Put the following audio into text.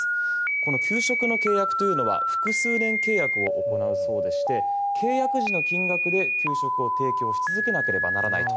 この給食の契約というのは複数年契約を行うそうでして契約時の金額で給食を提供し続けなければならないと。